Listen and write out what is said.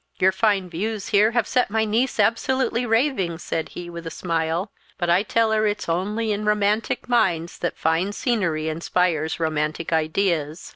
"Your fine views here have set my niece absolutely raving," said he, with a smile; "but I tell her it is only in romantic minds that fine scenery inspires romantic ideas.